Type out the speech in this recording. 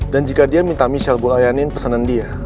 dan jika dia minta michelle buat layanin pesanan dia